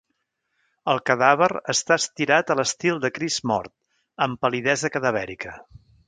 El cadàver està estirat a l'estil de Crist mort, amb pal·lidesa cadavèrica.